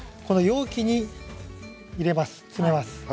この容器に入れます。